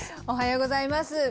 おはようございます。